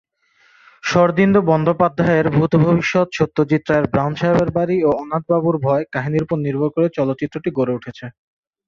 শরদিন্দু বন্দ্যোপাধ্যায়ের "ভূত ভবিষ্যৎ", সত্যজিৎ রায়ের "ব্রাউন সাহেবের বাড়ি" ও "অনাথ বাবুর ভয়" কাহিনীর ওপর নির্ভর করে চলচ্চিত্রটি গড়ে উঠেছে।